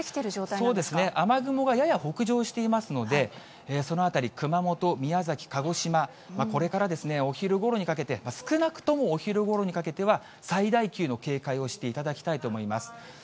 そうですね、雨雲がやや北上していますので、その辺り、熊本、宮崎、鹿児島、これからですね、お昼ごろにかけて、少なくともお昼ごろにかけては、最大級の警戒をしていただきたいと思います。